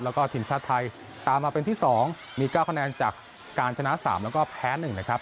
แล้วก็ทีมชาติไทยตามมาเป็นที่๒มี๙คะแนนจากการชนะ๓แล้วก็แพ้๑นะครับ